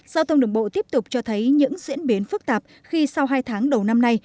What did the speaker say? giao thông đường bộ tiếp tục cho thấy những diễn biến phức tạp khi sau hai tháng đầu năm nay